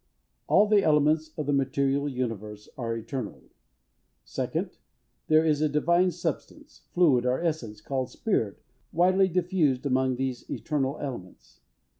All the elements of the material universe are eternal. Second. There is a divine substance, fluid or essence, called Spirit, widely diffused among these eternal elements.